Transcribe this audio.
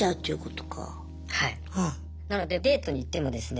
なのでデートに行ってもですね